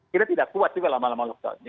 kita tidak kuat juga lama lama lockdown